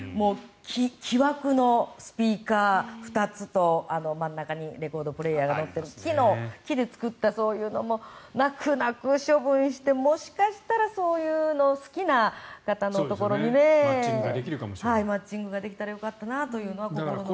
木枠のスピーカー２つと真ん中にレコードプレーヤーが乗った木で作ったそういうのも泣く泣く処分してもしかしたらそういうのを好きな方のところにマッチングできたらよかったなというのが心残りです。